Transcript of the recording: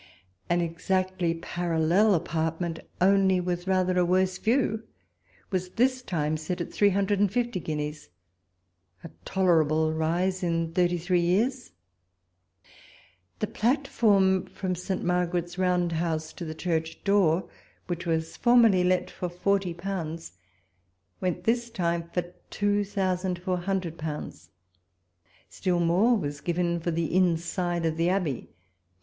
An exactly parallel apartment, only with rather a worse view, was this time set at three hundred and fifty guineas — a tolerable rise in thirty three years ! The platform from St. Margaret's Houndhouse to the church door, which formerly let for forty pounds, went this 88 walpole's letters. time for two thousand four hundred pounds. Still more was given for the inside of the Abbey.